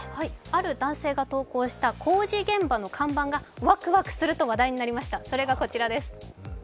ある男性が投稿した工事現場の看板がワクワクすると話題になりました。